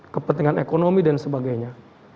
kepentingan ekonomi dan sebagainya